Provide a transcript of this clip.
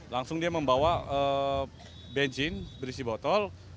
langsung dia membawa bensin berisi botol